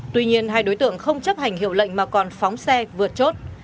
tuy nhiên hai đối tượng không chấp hành hiệu lệnh mà còn phóng xe vượt chốt